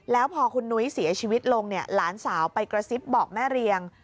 แล้วพอคุณนุ้ยเสียชีวิตลงเนี่ยหลานสาวไปกระซิบบอกแม่เรียง